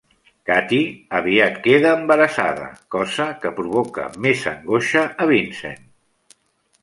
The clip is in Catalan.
Cathy aviat queda embarassada, cosa que provoca més angoixa a Vincent.